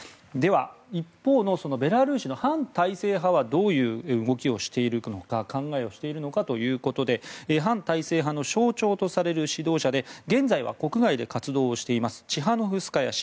一方のベラルーシの反体制派はどういう動きをしているのか考えをしているのかということで反体制派の象徴とされる指導者で現在は国外で活動をしているチハノフスカヤ氏。